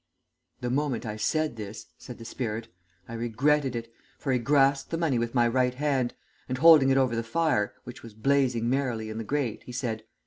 "The moment I said this," said the spirit, "I regretted it, for he grasped the money with my right hand, and holding it over the fire, which was blazing merrily in the grate, he said.